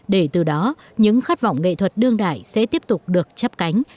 để từ đó những khát vọng nghệ thuật đương đại sẽ tiếp tục được chấp cánh